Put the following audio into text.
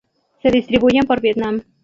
Se distribuyen por Vietnam.